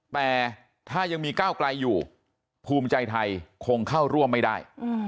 แต่ถ้ายังมีก้าวไกลอยู่ภูมิใจไทยคงเข้าร่วมไม่ได้